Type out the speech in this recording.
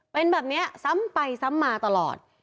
เป็นแบบนี้ซ้ำไปซ้ำมาตลอด